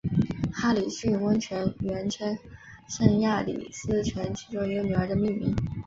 哈里逊温泉原称圣雅丽斯泉其中一个女儿命名。